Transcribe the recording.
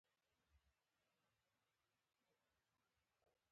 د بوري پر ځای شات کارول ګټور دي.